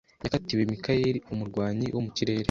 Yakatiwe Mikayeli umurwanyi wo mu kirere